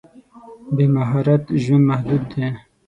بې مهارت ژوند محدود دی.